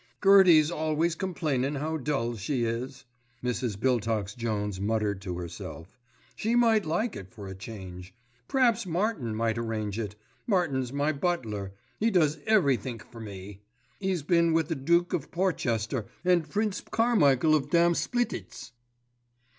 "Gertie's always complainin' how dull she is," Mrs. Biltox Jones muttered to herself; "she might like it for a change. P'raps Martin might arrange it. Martin's my butler, he does everythink for me. He's been with the Duke of Porchester, and Prince Carmichael of Dam Splititz."